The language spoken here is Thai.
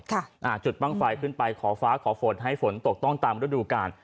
อ่าจุดบ้างไฟขึ้นไปขอฟ้าขอฝนให้ฝนตกต้องตามฤดูกาล